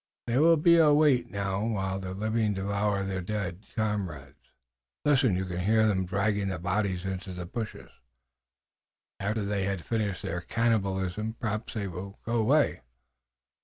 There will be a wait now while the living devour their dead comrades. Listen, you can hear them dragging the bodies into the bushes." "After they have finished their cannibalism perhaps they will go away."